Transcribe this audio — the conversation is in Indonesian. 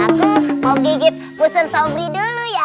aku mau gigit pusen sombly dulu ya